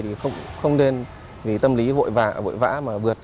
thì không nên vì tâm lý hội vại vã mà vượt